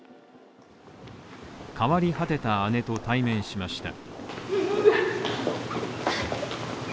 変わり果てた姉と対面しました。